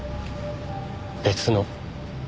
別の？